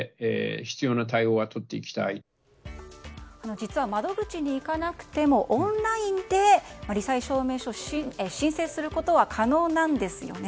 実は窓口に行かなくてもオンラインで罹災証明書を申請することは可能なんですよね。